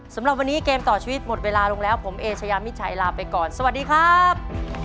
สำหรับวันนี้เกมต่อชีวิตหมดเวลาลงแล้วผมเอเชยามิชัยลาไปก่อนสวัสดีครับ